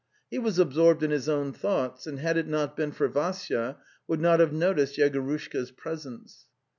He was absorbed in his own thoughts, and had it not been for Vassya, would not have noticed Yegorushka's presence.